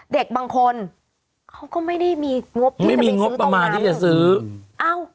เด็กบางคนเขาก็ไม่ได้มีงบไม่มีงบประมาณที่จะซื้ออ้าว